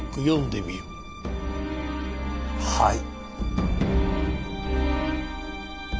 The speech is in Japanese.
はい。